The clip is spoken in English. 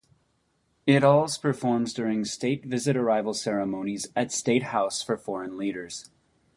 It als performs during state visit arrival ceremonies at State House for foreign leaders.